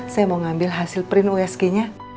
saya mau ngambil hasil print usg nya